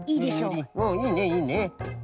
うんいいねいいね。